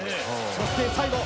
そして最後